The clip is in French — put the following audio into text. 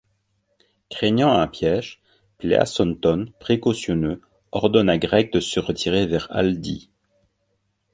Craignant un piège, Pleasonton, précautionneux, ordonne à Gregg de se retirer vers Aldie.